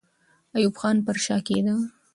ایوب خان پر شا کېده.